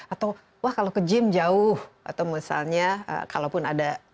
atau wah kalau ke gym jauh atau misalnya kalaupun ada